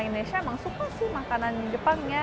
di indonesia memang suka sih makanan jepang ya